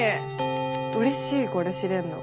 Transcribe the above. うれしいこれ知れるの。